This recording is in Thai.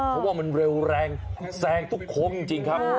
เพราะว่ามันเร็วแรงแซงทุกคมจริง